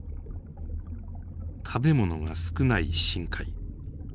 食べ物が少ない深海。